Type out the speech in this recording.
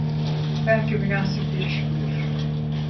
Belki münasip bir iş bulur.